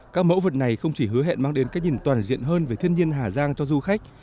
các mẫu vật này không chỉ hứa hẹn mang đến cái nhìn toàn diện hơn về thiên nhiên hà giang cho du khách